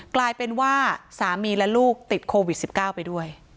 กลายเป็นว่าสามีและลูกติดโควิด๑๙ไปด้วย